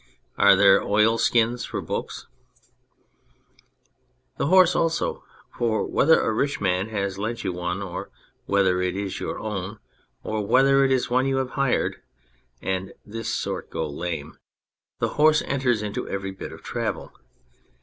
Are there oilskins for books ? The horse also : for whether a rich man has lent you one, or whether it is your own, or whether it is one you have hired (and this sort go lame), the horse enters into every bit of travel.